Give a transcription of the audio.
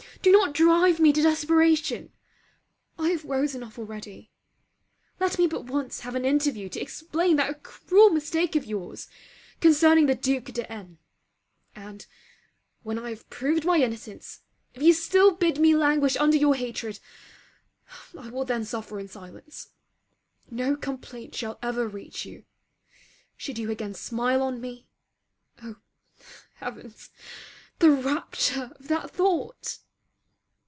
Do not drive me to desperation! I have woes enough already. Let me but once have an interview to explain that cruel mistake of your's, concerning the Duke de N ; and, when I have proved my innocence, if you still bid me languish under your hatred, I will then suffer in silence. No complaint shall ever reach you. Should you again smile on me oh heavens! the rapture of that thought!